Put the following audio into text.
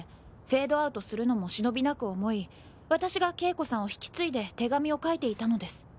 フェードアウトするのも忍びなく思いわたしが景子さんを引き継いで手紙を書いていたのです。